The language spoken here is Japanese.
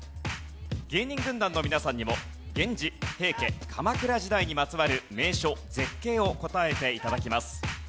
芸人軍団の皆さんにも源氏平家鎌倉時代にまつわる名所絶景を答えて頂きます。